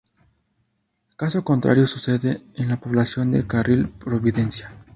Caso contrario sucede en la población de El Carril Providencia.